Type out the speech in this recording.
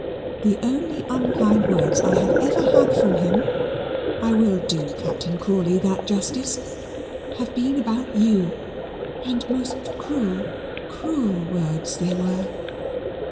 The only unkind words I have ever had from him (I will do Captain Crawley that justice) have been about you and most cruel, cruel words they were."